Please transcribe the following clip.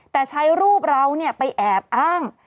แต่ใช้รูปเราไปแอบอ้าง